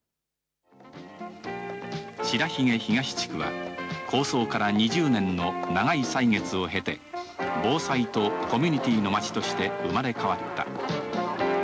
白鬚東地区は構想から２０年の長い歳月を経て、防災とコミュニティーの町として生まれ変わった。